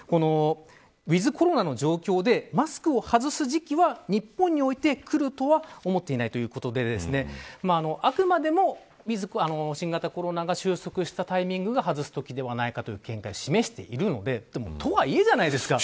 ウィズコロナの状況でマスクを外す時期は日本においては、くるとは思っていない、ということであくまでも新型コロナが収束したタイミングで外すべきではないかという見解を示しているのでとはいえじゃないですか。